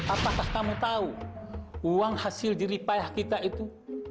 apakah kamu tahu uang hasil jiripayah kita itu